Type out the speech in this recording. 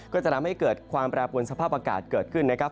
ก็จะทำให้เกิดความแปรปวนสภาพอากาศเกิดขึ้นนะครับ